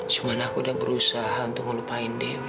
cuman aku udah berusaha untuk ngelupain dewi